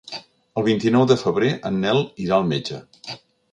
El vint-i-nou de febrer en Nel irà al metge.